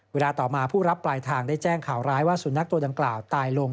เวลาต่อมาผู้รับปลายทางได้แจ้งข่าวร้ายว่าสุนัขตัวดังกล่าวตายลง